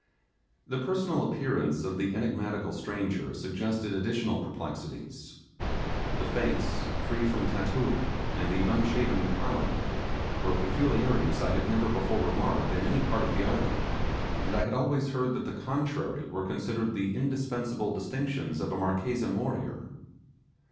The personal appearance of the enigmatical stranger suggested additional perplexities. The face, free from tattooing, and the unshaven crown, were peculiarities I had never before remarked in any part of the island, and I had always heard that the contrary were considered the indispensable distinction of a Marquesan warrior.